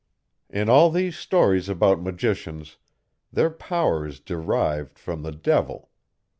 In all these stories about magicians, their power is derived from the devil.